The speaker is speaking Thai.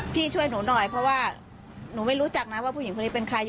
ช่วยหนูหน่อยเพราะว่าหนูไม่รู้จักนะว่าผู้หญิงคนนี้เป็นใคร